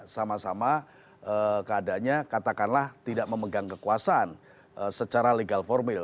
sama sama keadaannya katakanlah tidak memegang kekuasaan secara legal formil